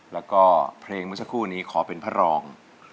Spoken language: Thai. แล้วก็เพลงเมื่อสักครู่นี้ขอเป็นพระรอง